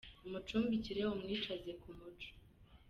Umucumbikire umwicaze ku muco